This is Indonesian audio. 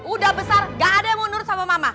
udah besar gak ada yang mau nurut sama mama